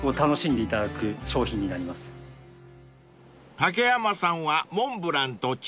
［竹山さんは］